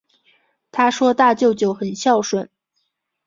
她说大舅舅很孝顺